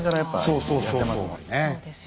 そうそうそうそう。